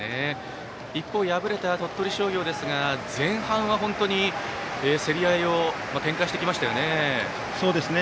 一方、敗れた鳥取商業ですが前半は競り合いを展開してきましたよね。